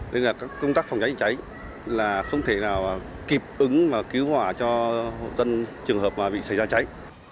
nên là các công tác phòng cháy cháy là không thể nào kịp ứng và cứu hỏa cho dân trường hợp bị xảy ra cháy